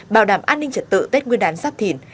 bảo đảm an ninh trật tự tết nguyên đán sát thịn